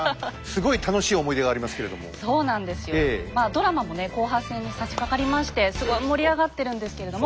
ドラマもね後半戦にさしかかりましてすごい盛り上がってるんですけれども。